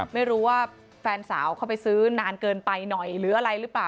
ไม่รู้ว่าแฟนสาวเข้าไปซื้อนานเกินไปหน่อยหรืออะไรหรือเปล่า